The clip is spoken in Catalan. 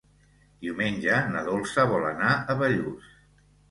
Diumenge na Dolça vol anar a Bellús.